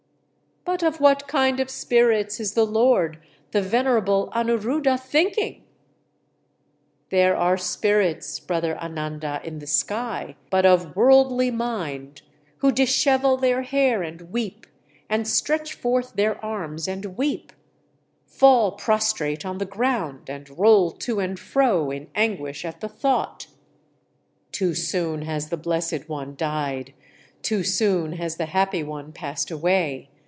"But of what kind of spirits is the Lord, the venerable Anuruddha, thinking?" "There are spirits, brother Ananda, in the sky, but of worldly mind, who dishevel their hair and weep, and stretch forth their arms and weep, fall prostrate on the ground, and roll to and fro in anguish at the thought: 'Too soon has the Blessed One died! Too soon has the Happy One passed away!